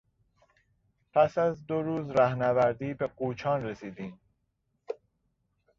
پس از دو روز رهنوردی به قوچان رسیدیم.